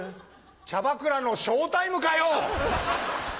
チャバクラのショータイムかよ！